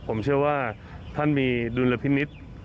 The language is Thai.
ผมเชื่อว่าท่านมีดุลพินิษฐ์